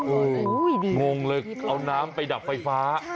โอ้โหงงเลยเอาน้ำไปดับไฟฟ้า